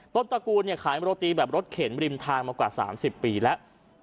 ตระกูลขายโรตีแบบรถเข็นริมทางมากว่า๓๐ปีแล้ว